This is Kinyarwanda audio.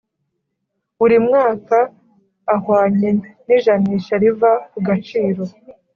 buri mwaka ahwanye n’ijanisha riva ku gaciro